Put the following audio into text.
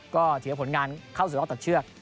ก็ถือผลงานเข้าสู่รอบตัดเชือก